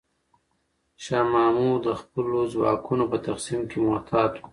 شاه محمود د خپلو ځواکونو په تقسیم کې محتاط و.